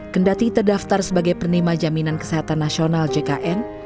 kendati terdaftar sebagai penema jaminan kesehatan nasional jkn